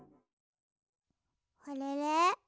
あれれ？